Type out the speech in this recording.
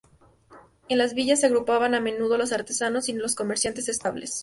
En las villas se agrupaban a menudo los artesanos y los comerciantes estables.